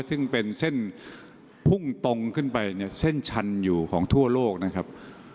ซึ่งเป็นเส้นพุ่งตรงขึ้นไปเนี่ยเส้นชันอยู่ของทั่วโลกนะครับ